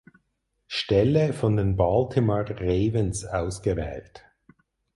Stelle von den Baltimore Ravens ausgewählt.